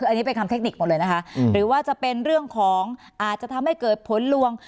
อันนี้เป็นคำเทคนิคหมดเลยนะคะหรือว่าจะเป็นเรื่องของอาจจะทำให้เกิดผลลวง